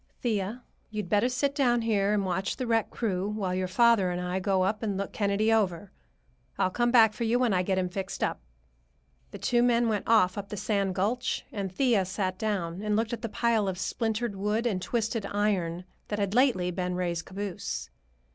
"Thea, you'd better sit down here and watch the wreck crew while your father and I go up and look Kennedy over. I'll come back for you when I get him fixed up." The two men went off up the sand gulch, and Thea sat down and looked at the pile of splintered wood and twisted iron that had lately been Ray's caboose.